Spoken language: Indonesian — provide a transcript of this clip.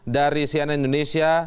dari cnn indonesia